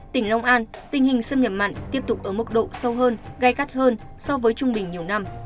tỉnh long an tình hình xâm nhập mặn tiếp tục ở mức độ sâu hơn gai gắt hơn so với trung bình nhiều năm